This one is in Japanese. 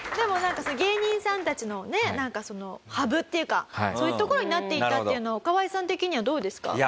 でも芸人さんたちのねハブっていうかそういうところになっていったっていうのは若林さん的にはどうですか？